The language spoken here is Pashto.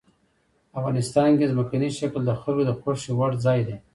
افغانستان کې ځمکنی شکل د خلکو د خوښې وړ ځای دی.